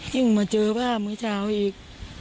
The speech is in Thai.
ยังมาเจอผ้าเมื่อเช้าอีก